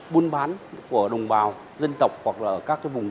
buôn bán của đồng bào dân tộc hoặc là các vùng